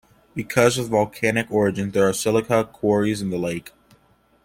Because of the volcanic origin, there are silica quarries in the lake.